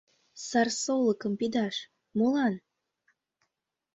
Сар солыкым пидаш — молан?